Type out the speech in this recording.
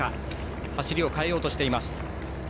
走りを変えようとしています。